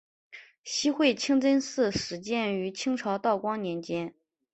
西会清真寺始建于清朝道光年间。